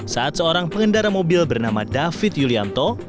saat seorang pengendara mobil bernama david yulianto